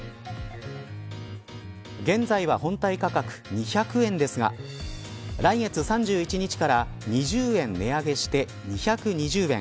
現在は本体価格２００円ですが来月３１日から２０円値上げして２２０円